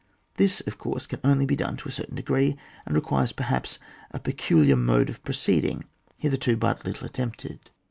This of course can only be done to a certain degpree, and requires, perhaps, a peculiar mode of proceeding, hitherto but littie attempt ed.